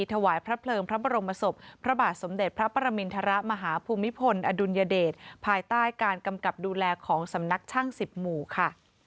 ถวายพระเพลิงพระบรมศพพระบาทสมเด็จพระประมินทรมาฮภูมิพลอดุลยเดชภายใต้การกำกับดูแลของสำนักช่างสิบหมู่ค่ะ